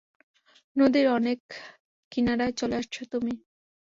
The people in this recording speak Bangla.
নদীর অনেক কিনারায় চলে আসছো তুমি।